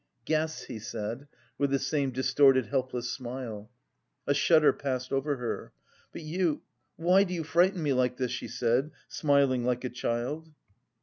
"Guess," he said, with the same distorted helpless smile. A shudder passed over her. "But you... why do you frighten me like this?" she said, smiling like a child.